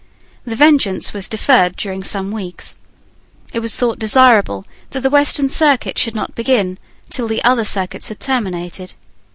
The vengeance was deferred during some weeks. It was thought desirable that the Western Circuit should not begin till the other circuits had terminated.